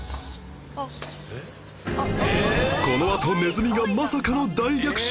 このあとネズミがまさかの大逆襲！